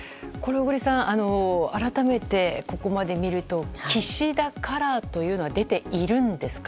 小栗さん、改めてここまで見ると岸田カラーというのは出ているんですか？